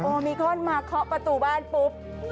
มิคอนมาเคาะประตูบ้านปุ๊บ